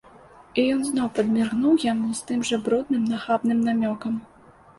І ён зноў падміргнуў яму з тым жа брудным, нахабным намёкам.